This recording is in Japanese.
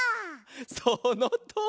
そのとおりだ！